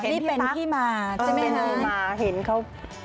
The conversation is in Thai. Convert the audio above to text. อ๋อนี่เป็นพี่ตั๊กเป็นพี่หมาเห็นเขา